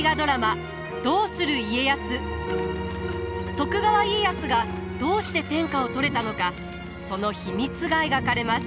徳川家康がどうして天下を取れたのかその秘密が描かれます。